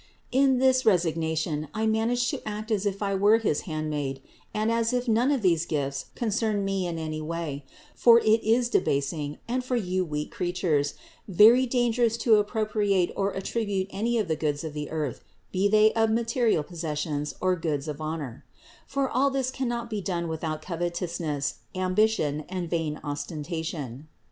In this resignation I managed to act as if 1 were his handmaid and as if none of these gifts concerned me in any way ; for it is debasing, and for you weak creatures, very dangerous to appropriate or attrib ute any of the goods of the earth, be they of material THE INCARNATION 493 possessions or goods of honor ; for all this cannot be done without covetousness, ambition and vain ostentation.